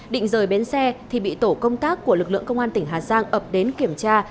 định rời bến xe thì bị tổ công tác của lực lượng công an tỉnh hà giang ập đến kiểm tra